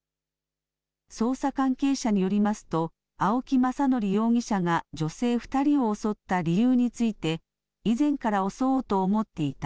捜査関係者によりますと、青木政憲容疑者が女性２人を襲った理由について、以前から襲おうと思っていた。